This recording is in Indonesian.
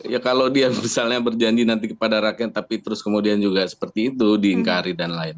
ya kalau dia misalnya berjanji nanti kepada rakyat tapi terus kemudian juga seperti itu diingkari dan lain